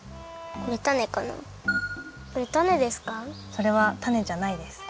それはタネじゃないです。